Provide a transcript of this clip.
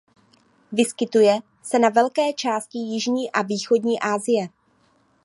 Vyskytuje se na velké části jižní a východní Asie.